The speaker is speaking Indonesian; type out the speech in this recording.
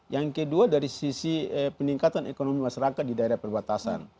yang kedua dari sisi peningkatan ekonomi masyarakat di daerah perbatasan